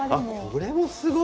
これもすごい。